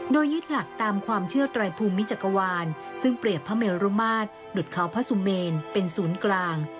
โดยยึดหลักตามความเชื่อไตรภูมิมิจักรวาลซึ่งเปรียบพระเมรุมาตรหลุดเขาพระสุเมนเป็นศูนย์กลาง